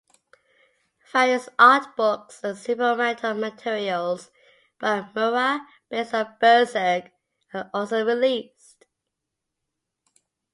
Various art books and supplemental materials by Miura based on "Berserk" are also released.